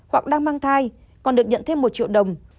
hoặc đang mang thai còn được nhận thêm một triệu đồng